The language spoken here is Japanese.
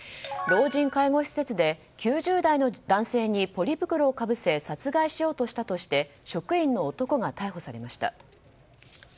老人介護施設で９０代の男性にポリ袋をかぶせ殺害しようとしたとして職員の男が逮捕されました。